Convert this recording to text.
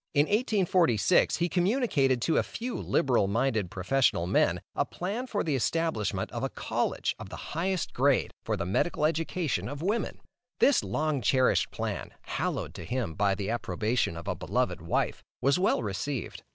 In 1846 he communicated to a few liberal minded professional men, a plan for the establishment of a college of the highest grade for the medical education of women. This long cherished plan, hallowed to him by the approbation of a beloved wife, was well received.